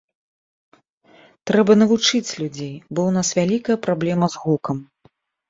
Трэба навучыць людзей, бо ў нас вялікая праблема з гукам.